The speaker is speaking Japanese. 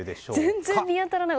全然見当たらない。